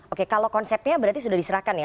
oke kalau konsepnya berarti sudah diserahkan ya